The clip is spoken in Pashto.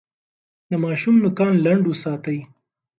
د ماشوم نوکان لنډ وساتئ.